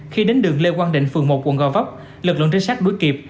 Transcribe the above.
khi đến đường lê quang định phường một quận gò vấp lực lượng trinh sát đuổi kịp